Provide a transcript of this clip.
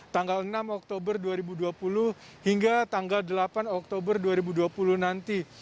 tanggal enam oktober dua ribu dua puluh hingga tanggal delapan oktober dua ribu dua puluh nanti